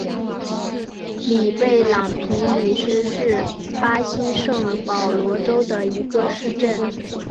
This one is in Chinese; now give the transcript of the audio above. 里贝朗皮里斯是巴西圣保罗州的一个市镇。